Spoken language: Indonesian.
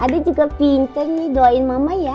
ada juga pinter nih doain mama ya